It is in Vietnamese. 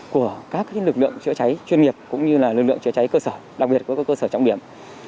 của các lực lượng chữa cháy chuyên nghiệp cũng như lực lượng chữa cháy cơ sở đặc biệt của các cơ sở trọng điểm